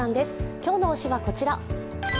今日の推しはこちら。